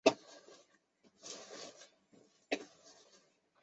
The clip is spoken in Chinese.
圣德基督学院是位于台湾桃园市中坜区的一所私立基督教学院。